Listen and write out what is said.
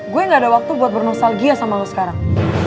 gue gak ada waktu buat bernosal gia sama lo sekarang